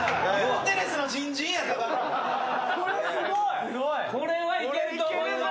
・これすごい！これはいけると思います。